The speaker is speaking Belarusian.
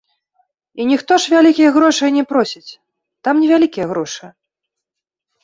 І ніхто ж вялікіх грошай не просіць, там невялікія грошы.